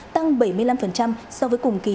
tăng bảy mươi năm so với cùng kỳ